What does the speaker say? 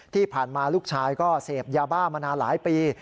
ที่ผ่านมาลูกชายก็เสพยาบ้ามานานหลายปี